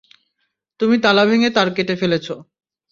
তুমি তালা ভেঙ্গে তার কেটে ফেলেছ।